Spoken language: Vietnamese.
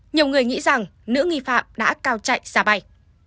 nhiều người nghĩ rằng nữ nghi phạm đã cao chạy ra bay